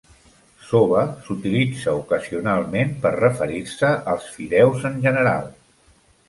"Soba" s'utilitza ocasionalment per referir-se als fideus en general.